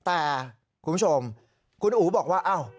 แต่คุณผู้ชมคุณอู๋บอกว่า